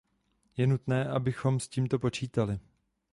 Je nutné, abychom s tímto počítali.